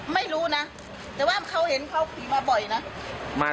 ไม่รู้นะแต่ว่าเขาเห็นเขาขี่มาบ่อยนะ